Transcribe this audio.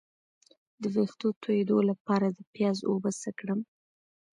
د ویښتو تویدو لپاره د پیاز اوبه څه کړم؟